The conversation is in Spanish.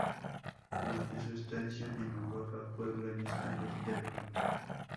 Durante su estancia en Europa fue organista del templo St.